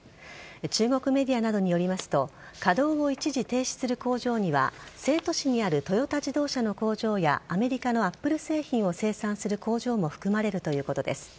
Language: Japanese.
中国メディアなどによりますと稼動を一時停止する工場には成都市にあるトヨタ自動車の工場やアメリカのＡｐｐｌｅ製品を生産する工場も含まれるということです。